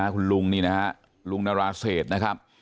คุณลุงนี่นะฮะลุงนราเศษนะครับ